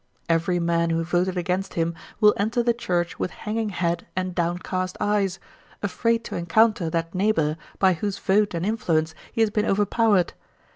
Every man who voted against him will enter the church with hanging head and downcast eyes, afraid to encounter that neighbour by whose vote and influence he has been overpowered.